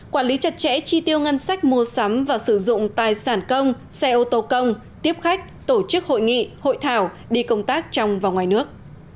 quản lý chặt chẽ chi tiêu ngân sách mua sắm và sử dụng tài sản công xe ô tô công tiếp khách tổ chức hội nghị hội thảo đi công tác trong và ngoài nước